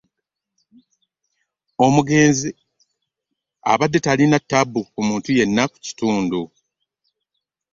Omugenzi abadde talina ttabbu ku muntu yenna ku kitundu